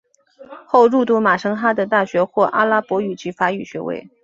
后入读马什哈德大学获阿拉伯语及法语学位。